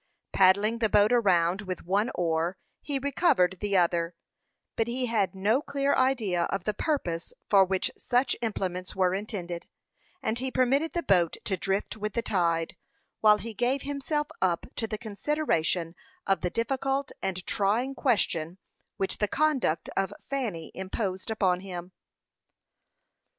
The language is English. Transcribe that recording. Paddling the boat around with one oar, he recovered the other; but he had no clear idea of the purpose for which such implements were intended, and he permitted the boat to drift with the tide, while he gave himself up to the consideration of the difficult and trying question which the conduct of Fanny imposed upon him.